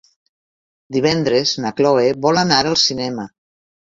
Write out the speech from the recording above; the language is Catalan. Divendres na Cloè vol anar al cinema.